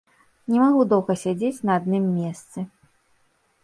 Не магу доўга сядзець на адным месцы.